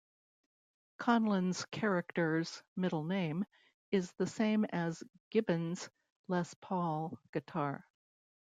Conlin's character's middle name is the same as Gibbons' Les Paul guitar.